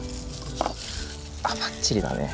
あばっちりだね。